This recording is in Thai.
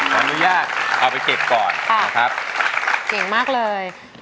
ขออนุญาตเอาไปเก็บก่อนนะครับเก่งมากเลย